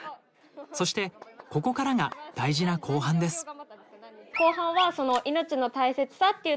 そしてここからが大事な後半です。